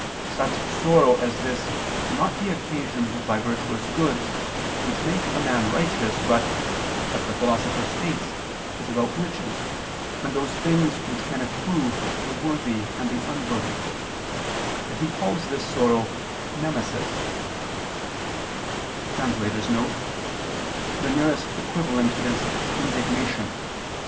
Such sorrow as this cannot be occasioned by virtuous goods, which make a man righteous, but, as the Philosopher states, is about riches, and those things which can accrue to the worthy and the unworthy; and he calls this sorrow nemesis [*The nearest equivalent is "indignation."